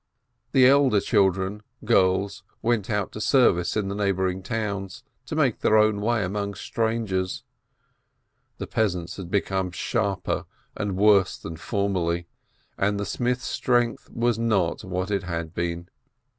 The elder children, girls, went out to service in the neigh boring towns, to make their own way among strangers. The peasants had become sharper and worse than for merly, and the smith's strength was hot what it had been.